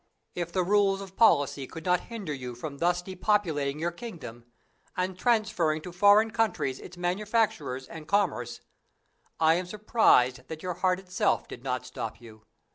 If the rules of policy could not hinder you from thus depopulating your kingdom, and transferring to foreign countries its manufactures and commerce, I am surprised that your heart itself did not stop you.